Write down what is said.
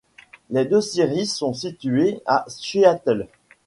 Les deux séries sont situées à Seattle.